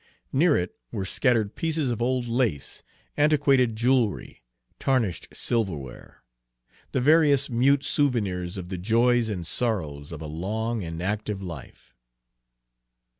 Near it were scattered pieces of old lace, antiquated jewelry, tarnished silverware, the various mute souvenirs of the joys and sorrows of a long and active life.